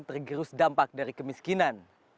tergirus dampak dari kemiskinan